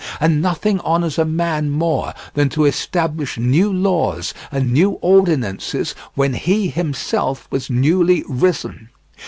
And nothing honours a man more than to establish new laws and new ordinances when he himself was newly risen.